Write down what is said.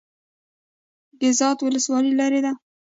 ګیزاب ولسوالۍ لیرې ده؟